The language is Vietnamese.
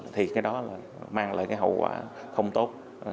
thì cái đó là mang lại cái hậu quả không tốt